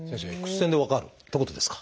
Ｘ線で分かるってことですか？